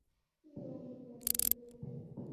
তুমি আর আমি ছাড়া এখানে কেউ নেই।